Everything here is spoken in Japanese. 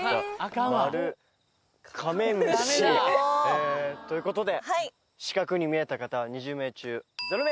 「丸」「カメムシ」え。ということで四角に見えた方は２０名中ゼロ名！